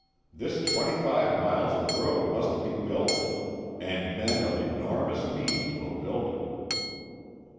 This twenty five miles of road must be built, and men of enormous means will build it."